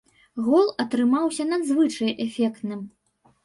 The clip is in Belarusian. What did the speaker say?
Гол атрымаўся надзвычай эфектным!